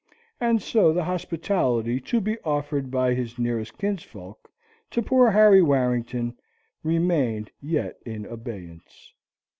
And so the hospitality to be offered by his nearest kinsfolk to poor Harry Warrington remained yet in abeyance.